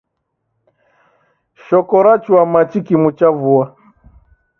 Shoko rachua machi kimu cha vua.